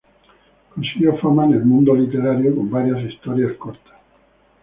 Consiguió fama en el mundo literario con varias historias cortas.